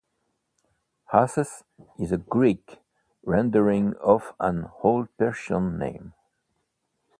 Arses is a Greek rendering of an old Persian name.